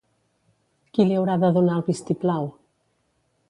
Qui li haurà de donar el vist-i-plau?